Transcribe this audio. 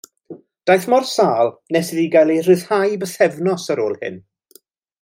Daeth mor sâl nes iddi gael ei rhyddhau bythefnos ar ôl hyn.